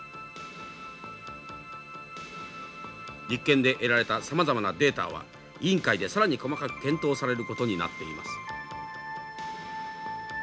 実験で得られたさまざまなデータは委員会で更に細かく検討されることになっています。